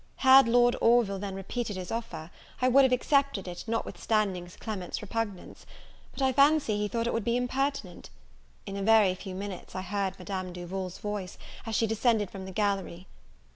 Had Lord Orville then repeated his offer, I would have accepted it notwithstanding Sir Clement's repugnance; but I fancy he thought it would be impertinent. In a very few minutes I heard Madame Duval's voice, as she descended from the gallery.